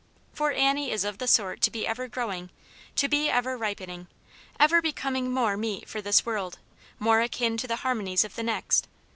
For Annie is of the sort to be ever growing ; to be ever ripening, ever becoming more meet for this world, more akin to the harmonies of the next.